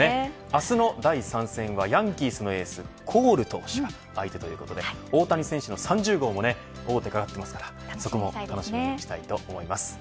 明日の第３戦はヤンキースのエースコール投手が相手ということで大谷選手の３０号も王手がかかっているので楽しみにしたいと思います。